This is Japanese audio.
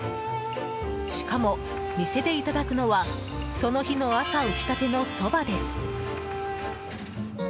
しかも店でいただくのはその日の朝打ち立てのそばです。